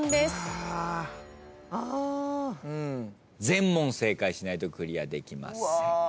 全問正解しないとクリアできません。